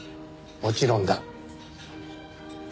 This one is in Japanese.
もちろんだ。